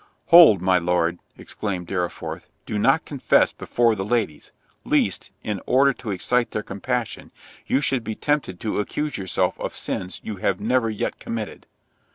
"Hold, my Lord," exclaimed Dorriforth, "do not confess before the ladies, lest, in order to excite their compassion, you should be tempted to accuse yourself of sins you have never yet committed."